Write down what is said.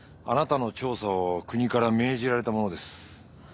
あなたの調査を国から命じられた者です。